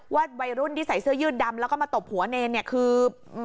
วัยรุ่นที่ใส่เสื้อยืดดำแล้วก็มาตบหัวเนรเนี่ยคือ